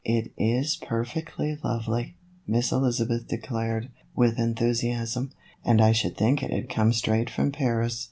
12$ " It is perfectly lovely," Miss Elizabeth declared, with enthusiasm, " and I should think it had come straight from Paris."